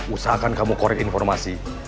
usahakan kamu korek informasi